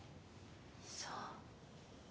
そう。